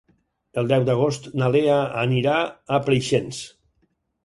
El deu d'agost na Lea anirà a Preixens.